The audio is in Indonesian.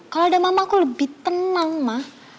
kalau ada mama aku lebih tenang mah